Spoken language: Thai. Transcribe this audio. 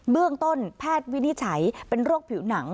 เบื้องต้นแพทย์วินิจฉัยเป็นโรคผิวหนัง